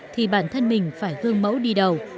thì bản thân mình phải gương mẫu đi đầu